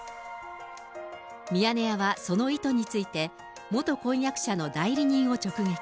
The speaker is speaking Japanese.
ミヤネ屋はその意図について、元婚約者の代理人を直撃。